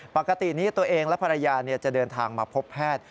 ปกตินี้ตัวเองและภรรยาจะเดินทางมาพบแพทย์